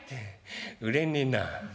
売れねえな。